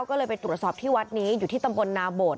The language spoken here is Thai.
ก็เลยไปตรวจสอบที่วัดนี้อยู่ที่ตำบลนาโบด